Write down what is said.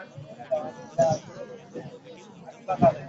মধুসূদন গুড়গুড়ির নলটা রেখে পাশে দেখিয়ে দিয়ে বললে, বোসো।